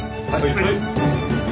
はい！